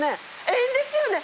ええんですよね。